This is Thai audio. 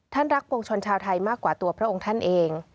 รักปวงชนชาวไทยมากกว่าตัวพระองค์ท่านเอง